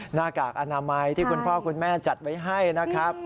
หน้ากากอนามัยที่คุณพ่อคุณแม่จัดไว้ให้นะครับ